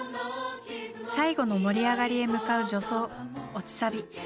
最後の盛り上がりへ向かう助走落ちサビ。